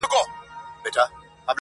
وي دردونه په سيــــنـــــوكـــــــــي_